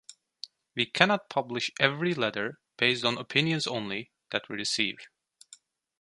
We cannot publish every letter, based on opinions only, that we receive.